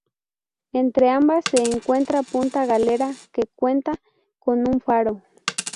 Entre ambas se encuentra Punta Galera, que cuenta con un faro.